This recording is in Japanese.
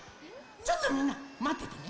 ちょっとみんなまっててね。